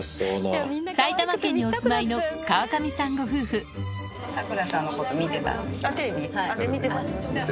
埼玉県にお住まいの川上さんご夫婦じゃあ